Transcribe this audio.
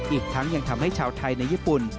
อีกทั้งยังทำให้ชาวไทยในญี่ปุ่น